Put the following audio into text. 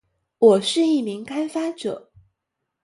我是一名开发者